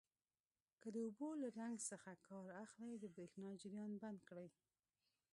که د اوبو له رنګ څخه کار اخلئ د بریښنا جریان بند کړئ.